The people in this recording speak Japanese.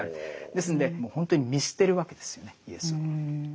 ですんでもう本当に見捨てるわけですよねイエスを。